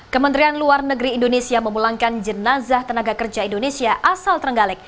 kementerian luar negeri indonesia memulangkan jenazah tenaga kerja indonesia asal trenggalek